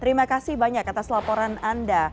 terima kasih banyak atas laporan anda